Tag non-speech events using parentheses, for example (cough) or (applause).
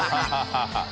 ハハハ (laughs)